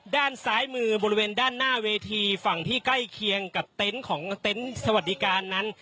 ด้านซ้ายมือบริเวณด้านหน้าเวทีฝั่งที่ใกล้เคียงกับเต็นต์ของเต็นต์สวัสดิการนั้น